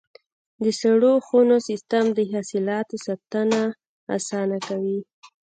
د سړو خونو سیستم د حاصلاتو ساتنه اسانه کوي.